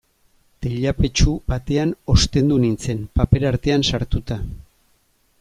Teilapetxu batean ostendu nintzen, paper artean sartuta.